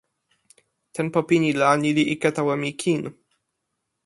tenpo pini la ni li ike tawa mi kin.